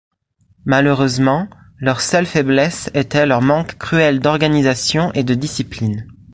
Malheureusement, leur seule faiblesse était leur manque cruel d'organisation et de discipline.